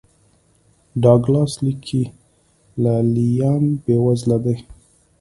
ډاګلاس لیکي لې لیان بېوزله دي.